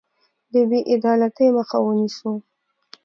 د بې عدالتۍ مخه ونیسو.